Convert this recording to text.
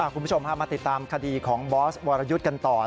คุณผู้ชมพามาติดตามคดีของบอสวรยุทธ์กันต่อ